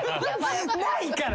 ないから！